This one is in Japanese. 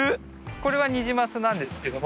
これはニジマスなんですけども。